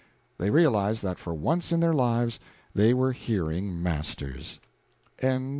They realized that for once in their lives they were hearing masters. CHAPTER VII.